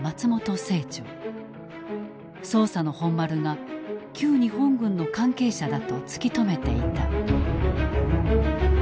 捜査の本丸が旧日本軍の関係者だと突き止めていた。